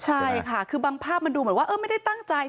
ใช่ค่ะคือบางภาพมันดูเหมือนว่าไม่ได้ตั้งใจ